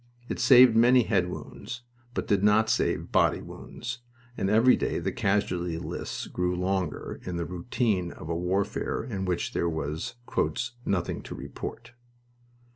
It saved many head wounds, but did not save body wounds, and every day the casualty lists grew longer in the routine of a warfare in which there was "Nothing to report."